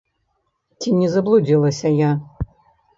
Ці не заблудзілася я?